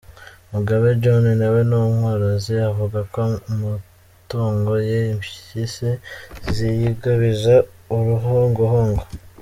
Mugabe John nawe ni umworozi, avuga ko amatungo ye impyisi ziyigabiza uruhongohongo.